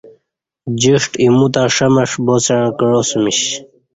جݜٹ ایموتہ ݜمݜ باسݩع کعاسیمش